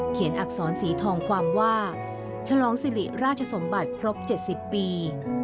อักษรสีทองความว่าฉลองสิริราชสมบัติครบ๗๐ปี